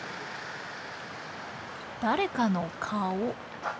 誰かの顔。